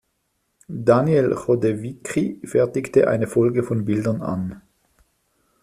Daniel Chodowiecki fertigte eine Folge von Bildern an.